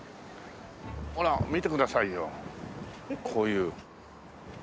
ほら見てくださいよこういうカラフルな。